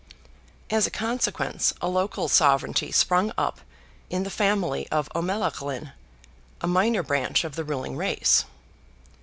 As a consequence a local sovereignty sprung up in the family of O'Melaghlin, a minor branch of the ruling race.